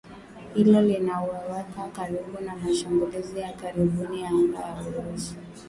Hilo linawaweka karibu na mashambulizi ya karibuni ya anga ya Urusi